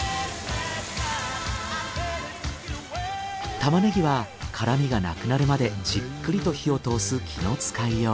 タマネギは辛味がなくなるまでじっくりと火を通す気の使いよう。